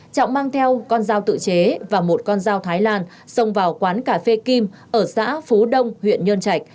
trọng mang theo con dao tự chế và một con dao thái lan xông vào quán cà phê kim ở xã phú đông huyện nhơn trạch